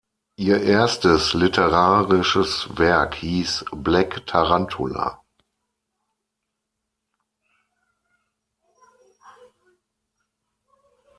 Ihr erstes literarisches Werk hieß "Black Tarantula".